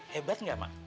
hebat gak mak